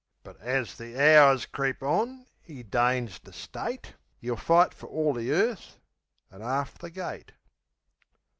But as the hours creep on 'e deigns to state 'E'll fight for all the earth an' 'arf the gate.